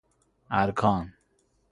ارکان